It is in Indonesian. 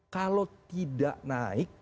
kalau tidak naik